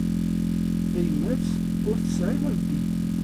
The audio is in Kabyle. Tayemmat ur tesɛi abdil